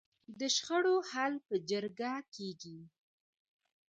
د شخړو حل په جرګه کیږي؟